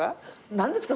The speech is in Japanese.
何ですか？